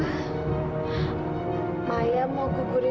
dan akhirnya maya tuh pendarahan